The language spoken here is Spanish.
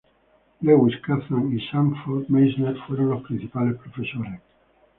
Lewis, Kazan y Sanford Meisner fueron los principales profesores.